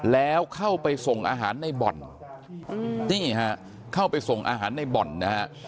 แล้วเข้าไปส่งอาหารในบ่อนนี่ฮะเข้าไปส่งอาหารในบ่อนนะฮะ